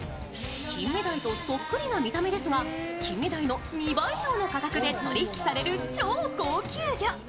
金目鯛とそっくりな見た目ですが、金目鯛の２倍以上の価格で取引される超高級魚。